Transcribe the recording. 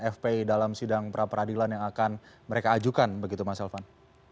fpi dalam sidang pra peradilan yang akan mereka ajukan begitu mas elvan